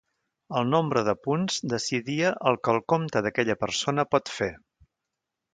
El nombre de punts decidia el que el compte d'aquella persona pot fer.